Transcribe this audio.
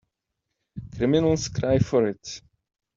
Criminals cry for it.